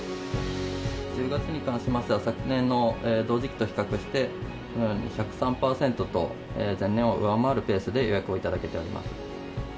１０月に関しましては、昨年の同時期と比較して１０３％と、前年を上回るペースで予約をいただけております。